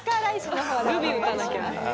ルビ打たなきゃ。